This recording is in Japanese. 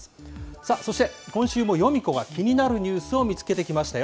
さあ、そして今週もヨミ子が気になるニュースを見つけてきましたよ。